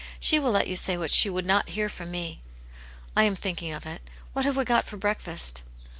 She will let you say what she would not hear from me." " I am thinking of it. What have we got for breakfast